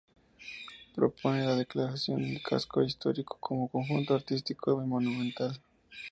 Propone la declaración del casco histórico como Conjunto Artístico y Monumental.